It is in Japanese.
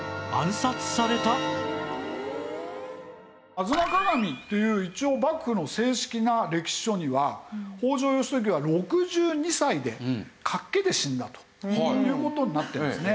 『吾妻鏡』という一応幕府の正式な歴史書には北条義時は６２歳で脚気で死んだという事になってるんですね。